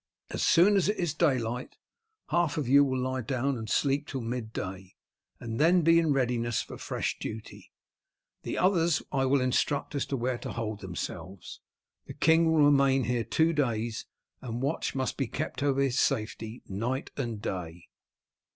As soon as it is daylight half of you will lie down and sleep till mid day, and then be in readiness for fresh duty. The others I will instruct as to where to hold themselves. The king will remain here two days, and watch must be kept over his safety night and day."